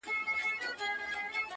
• نجلۍ له شرمه پټه ساتل کيږي..